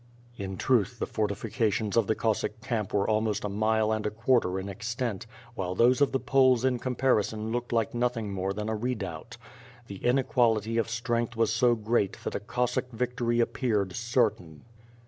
In truth, the fortifications of tlie Cossack camp were al most a mile and a quarter in extent, while those of the Polos in comparison looked like nothing more than a redoubt. The inequality of strength was so great that a Cossack victory ap peared certain.